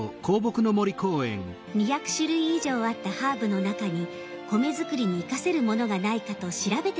２００種類以上あったハーブの中に米作りに生かせるものがないかと調べてみたそうです。